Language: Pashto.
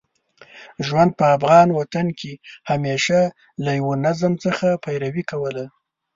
ژوند په افغان وطن کې همېشه له یوه نظم څخه پیروي کوله.